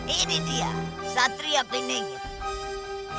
ini dia satria piningin